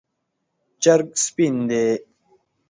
چرګ سپین دی